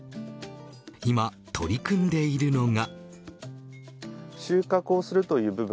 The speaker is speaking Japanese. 今取り組んでいるのが。